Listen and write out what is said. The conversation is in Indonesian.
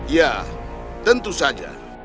ya tentu saja